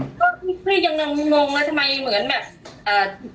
ก็ยังงงแล้วทำไมเหมือนแบบ